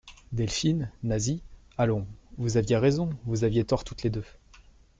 Delphine, Nasie, allons, vous aviez raison, vous aviez tort toutes les deux.